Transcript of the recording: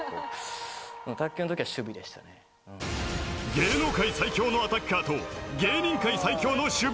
芸能界最強のアタッカーと芸人界最強の守備